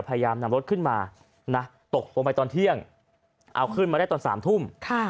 พยายามนำรถขึ้นมาตกลงไปตอนเที่ยงเอาขึ้นมาได้ตอน๓ทุ่ม